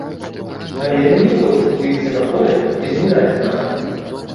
Але яны не хочуць выйсці на поле і згуляць з намі.